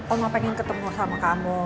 oma pengen ketemu sama kamu